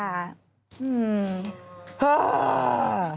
อืม